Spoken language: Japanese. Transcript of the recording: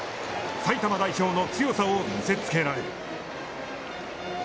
埼玉代表の強さを見せつけられる。